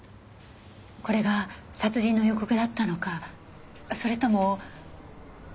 これが殺人の予告だったのかそれとも。